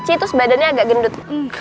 terus badannya agak gendut